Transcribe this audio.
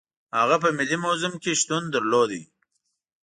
هغه په ملي موزیم کې شتون درلود.